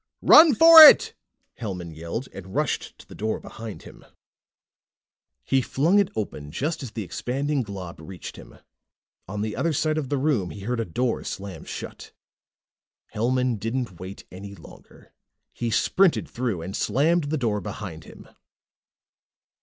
"Run for it!" Hellman yelled, and rushed to the door behind him. He flung it open just as the expanding glob reached him. On the other side of the room, he heard a door slam shut. Hellman didn't wait any longer. He sprinted through and slammed the door behind him.